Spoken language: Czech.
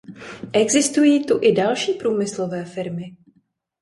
Existují tu i další průmyslové firmy.